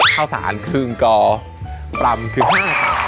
ข้าวสารครึ่งกอปร่ำครึ่ง๕ค่ะ